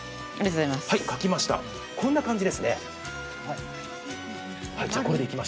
こんな感じですね。